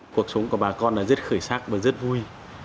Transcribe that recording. cuộc sống của bà con là rất khởi sắc và rất vui